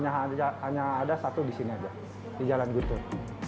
hanya ada satu di sini saja di jalan gutur